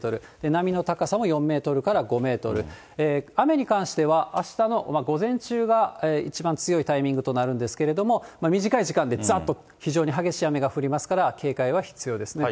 波の高さも４メートルから５メートル、雨に関してはあしたの午前中が一番強いタイミングとなるんですけれども、短い時間でざーっと非常に激しい雨が降りますから、警戒は必要ですね。